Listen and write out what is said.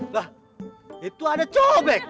lah itu ada cobek